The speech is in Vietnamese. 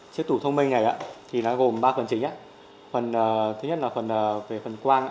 chiếc tủ thông minh này thì nó gồm ba phần chính thứ nhất là phần về phần quang